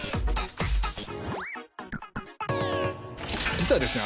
実はですね